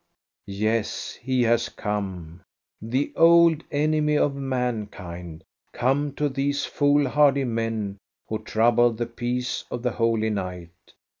" Yes, he has come, the old enemy of mankind, come to these foolhardy men who trouble the peace of the Holy Night.